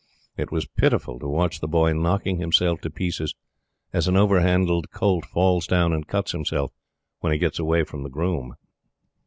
It was pitiful to watch The Boy knocking himself to pieces, as an over handled colt falls down and cuts himself when he gets away from the groom.